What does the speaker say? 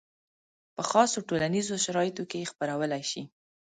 په خاصو ټولنیزو شرایطو کې یې خپرولی شي.